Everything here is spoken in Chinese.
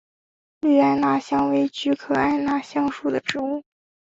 绿艾纳香为菊科艾纳香属的植物。